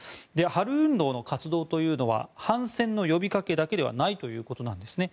春運動の活動というのは反戦の呼びかけだけではないということなんですね。